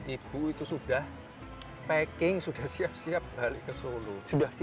ibu itu sudah packing sudah siap siap balik ke solo